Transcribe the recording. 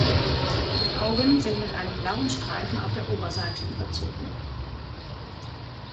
Die Augen sind mit einem blauen Streifen auf der Oberseite überzogen.